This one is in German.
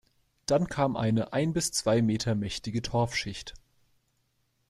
Dann kam eine ein bis zwei Meter mächtige Torfschicht.